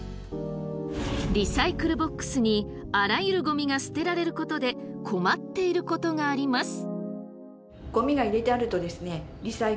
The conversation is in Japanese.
リサイクルボックスにあらゆるゴミが捨てられることで困っていることがあります。